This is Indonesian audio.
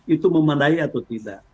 itu memadai atau tidak